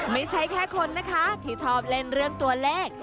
ไม่ใช่แค่คนนะคะที่ชอบเล่นเรื่องตัวเลข